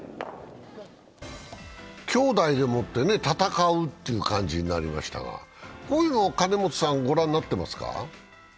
きょうだいでもって戦うという感じになりましたが、こういうのは金本さん、御覧になっていますか？